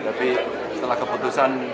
tapi setelah keputusan